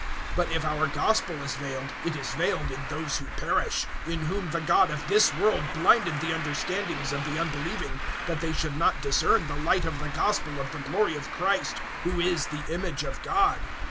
(3)But if our gospel is vailed, it is vailed in those who perish; (4)in whom the god of this world blinded the understandings of the unbelieving, that they should not discern the light of the gospel of the glory of Christ, who is the image of God[4:4].